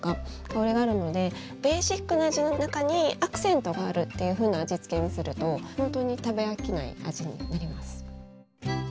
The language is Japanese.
香りがあるのでベーシックな味の中にアクセントがあるっていうふうな味付けにするとほんとに食べ飽きない味になります。